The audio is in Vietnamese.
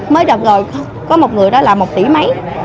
mới đợt rồi có một người đó là một tỷ mấy